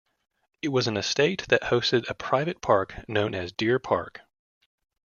It was an estate that hosted a private park known as "Deer Park".